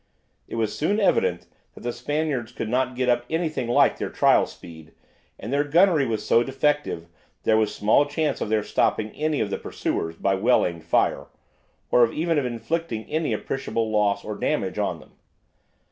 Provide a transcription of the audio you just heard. It was soon evident that the Spaniards could not get up anything like their trial speed, and their gunnery was so defective that there was small chance of their stopping any of their pursuers by well aimed fire, or even of inflicting any appreciable loss or damage on them.